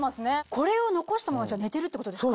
これを残したまま寝てるってことですか？